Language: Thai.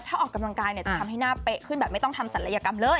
ถ้าออกกำลังกายเนี่ยจะทำให้หน้าเป๊ะขึ้นแบบไม่ต้องทำศัลยกรรมเลย